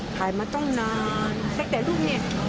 ขายมาตั้งนานตั้งแต่ลูกเนี่ย